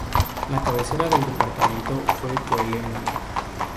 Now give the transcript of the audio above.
La cabecera del departamento fue Coelemu.